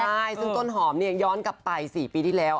ใช่ซึ่งต้นหอมเนี่ยย้อนกลับไป๔ปีที่แล้ว